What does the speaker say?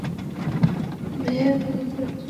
মেয়ার, আমাদের উচিত বাবাকে আবার ওয়াকিতে চেষ্টা করা।